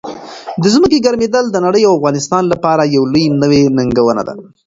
د ځمکې ګرمېدل د نړۍ او افغانستان لپاره یو لوی نوي ننګونه ده.